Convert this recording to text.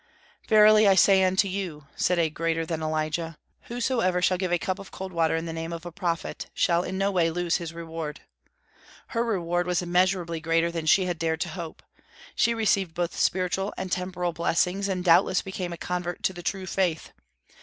"Verily, I say unto you," said a greater than Elijah, "whosoever shall give a cup of cold water in the name of a prophet, shall in no way lose his reward." Her reward was immeasurably greater than she had dared to hope. She received both spiritual and temporal blessings, and doubtless became a convert to the true faith.